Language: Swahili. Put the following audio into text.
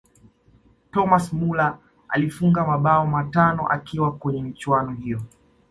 thomas muller alifunga mabao matano akiwa kwenye michuano hiyo